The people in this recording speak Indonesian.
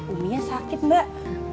umi ya sakit mbak